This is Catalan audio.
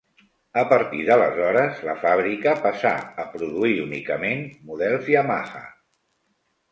A partir d'aleshores, la fàbrica passà a produir únicament models Yamaha.